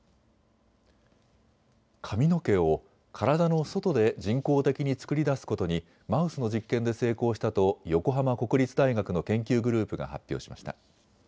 髪の毛を体の外で人工的に作り出すことにマウスの実験で成功したと横浜国立大学の研究グループが発表しました。